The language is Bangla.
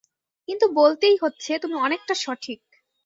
কিন্তু বলতেই হচ্ছে, তুমি অনেকটা সঠিক।